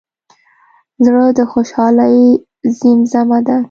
زړه د خوشحالۍ زیمزمه ده.